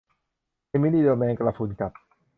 เอมิลีโดนแมงกระพรุนกัด